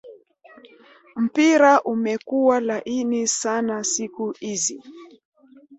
mpira umekua laini sana siku hizi